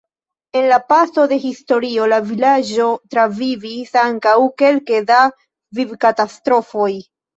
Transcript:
En la paso de historio la vilaĝo travivis ankaŭ kelke da vivkatastrofoj.